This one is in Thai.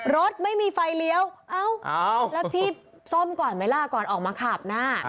รถไม่มีไฟเลี้ยวแล้วพี่ซ่อมก่อนไหมล่ะก่อนออกมาขาบหน้า